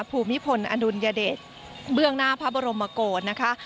ภูมิพลอดุลยเดชเบื้องหน้าพระบรมโกศนะคะ